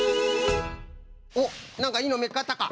おっなんかいいのみつかったか？